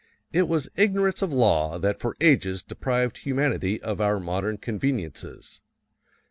It was ignorance of law that for ages deprived humanity of our modern conveniences.